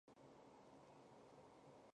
出生于中华民国台南市。